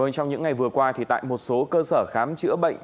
trong những ngày vừa qua tại một số cơ sở khám chữa bệnh